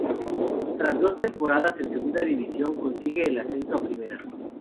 Tras dos temporadas en segunda División consigue el ascenso a Primera.